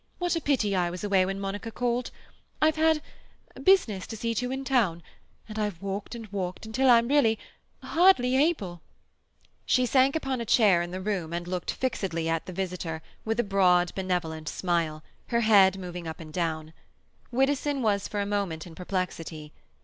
What a pity I was away when Monica called! I've had—business to see to in town; and I've walked and walked, until I'm really—hardly able—" She sank upon a chair in the room, and looked fixedly at the visitor with a broad, benevolent smile, her head moving up and down. Widdowson was for a moment in perplexity.